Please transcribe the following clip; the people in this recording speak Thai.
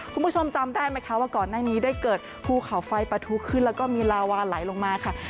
คุณผู้ชมจำได้ไหมคะว่าก่อนหน้านี้ได้เกิดภูเขาไฟปะทุขึ้นแล้วก็มีลาวาไหลลงมาค่ะ